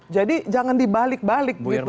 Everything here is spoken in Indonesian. jadi jangan dibalik balik begitu